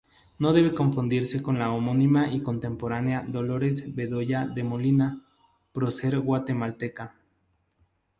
No debe confundirse con la homónima y contemporánea Dolores Bedoya de Molina, prócer guatemalteca.